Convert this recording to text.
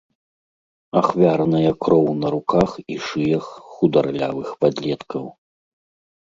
Ахвярная кроў на руках і шыях хударлявых падлеткаў.